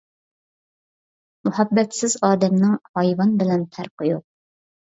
مۇھەببەتسىز ئادەمنىڭ، ھايۋان بىلەن پەرقى يوق.